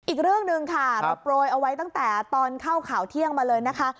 อีกเรื่องหนึ่งค่ะเราโปรยเอาไว้ตั้งแต่ตอนเข้าข่าวเที่ยงมาเลยนะคะ